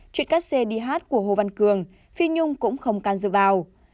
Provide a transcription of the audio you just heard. chuyện cắt xe đi hát của hồ văn cương phi nhung cũng không can dự vào